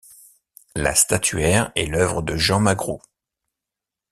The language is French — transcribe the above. La statuaire est l'œuvre de Jean Magrou.